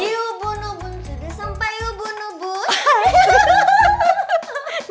di ubun ubun sampai ubun ubun